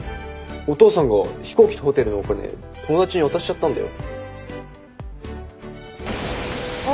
お父さんが飛行機とホテルのお金友達に渡しちゃったんだよ。